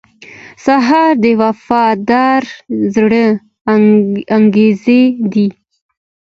سهار د وفادار زړه انګازې دي.